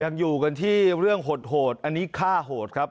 ยังอยู่กันที่เรื่องโหดอันนี้ฆ่าโหดครับ